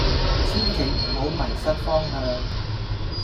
千祈唔好迷失方向